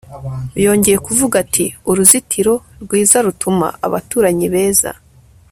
yongeye kuvuga ati 'uruzitiro rwiza rutuma abaturanyi beza